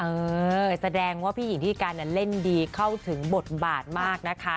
เออแสดงว่าพี่หญิงพิธีการเล่นดีเข้าถึงบทบาทมากนะคะ